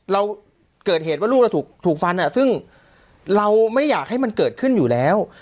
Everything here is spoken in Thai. เราเกิดเหตุว่าลูกเราถูกฟันซึ่งเราไม่อยากให้มันเกิดขึ้นอยู่แล้ว